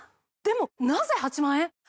でもなぜ８万円？